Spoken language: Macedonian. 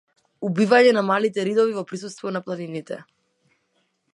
Убивање на малите ридови во присуство на планините.